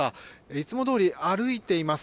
いつもどおり歩いています。